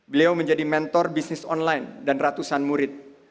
beliau menjadi mentor bisnis online dan ratusan murid